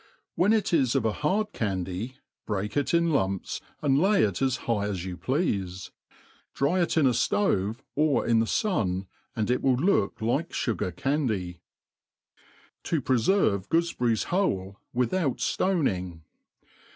When it is gf a hard candy, break it in lumps, and lay it as high as you pleafe. ; Dry it in a flove, or in tbciunj, and it will look like iiigai candy* To preferve Goofeberries whole without Jjoning.